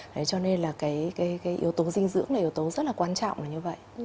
đấy cho nên là cái yếu tố dinh dưỡng này yếu tố rất là quan trọng là như vậy